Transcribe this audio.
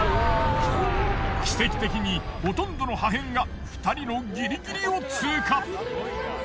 奇跡的にほとんどの破片が２人のギリギリを通過。